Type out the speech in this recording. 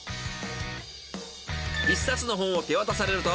［１冊の本を手渡されると］